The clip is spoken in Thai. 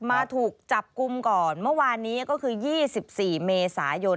มาถูกจับกลุ่มก่อนเมื่อวานนี้ก็คือ๒๔เมษายน